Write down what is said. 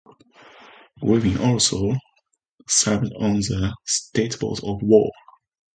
Griffin also served on the State's board of war.